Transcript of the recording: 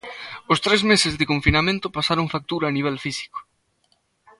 Os tres meses de confinamento pasaron factura a nivel físico.